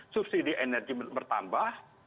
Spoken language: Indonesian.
subsidi energi bertambah